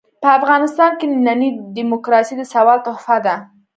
په افغانستان کې ننۍ ډيموکراسي د سوال تحفه ده.